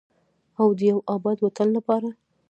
او د یو اباد وطن لپاره.